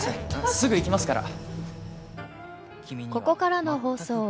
すぐ行きますから。